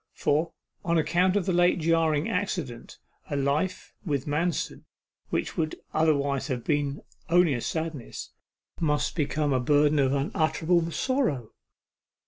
For, on account of the late jarring accident, a life with Manston which would otherwise have been only a sadness, must become a burden of unutterable sorrow.